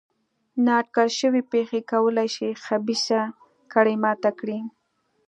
نا اټکل شوې پېښې کولای شي خبیثه کړۍ ماته کړي.